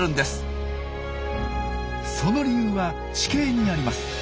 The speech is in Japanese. その理由は地形にあります。